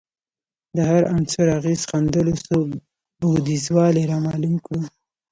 د هر عنصر اغېز ښندلو څو بعدیزوالی رامعلوم کړو